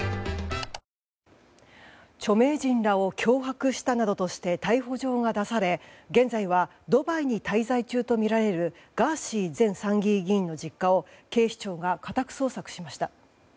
著名人らを脅迫したなどとして逮捕状が出され現在はドバイに滞在中とみられるガーシー前参議院議員の実家を警視庁が家宅捜索しました。